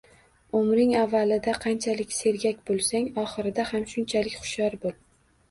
Umring avvalida qanchalik sergak bo‘lsang, oxirida ham shunchalik hushyor bo‘l.